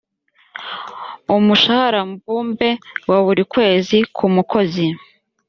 umushahara mbumbe wa buri kwezi ku mukozi